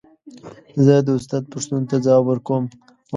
زه د استاد پوښتنو ته ځواب ورکوم.